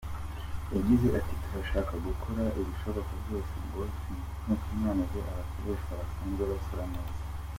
Yagize ati “Turashaka gukora ibishoboka byose ngo ntitunanize abasoreshwa basanzwe basora neza.